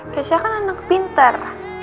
keesya kan anak pinter